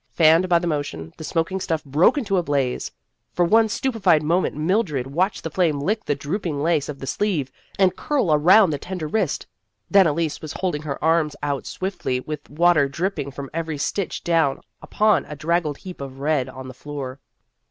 Fanned by the motion, the smoking stuff broke into a blaze. For one stupefied moment Mildred watched the flame lick the drooping lace of the sleeve, and curl around the tender wrist. Then Elise was holding her arms out stiffly with water dripping from every stitch down upon a draggled heap of red on the floor.